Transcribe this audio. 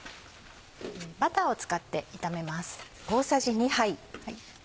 バターを使って炒めます。